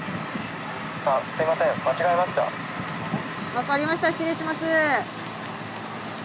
分かりました失礼します。